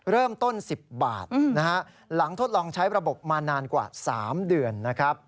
เริ่มต้น๑๐บาทนะฮะหลังทดลองใช้ระบบมานานกว่า๓เดือนนะครับ